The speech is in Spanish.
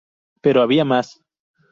Pero había más.